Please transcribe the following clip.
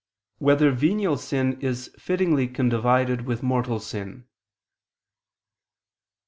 1] Whether Venial Sin Is Fittingly Condivided with Mortal Sin?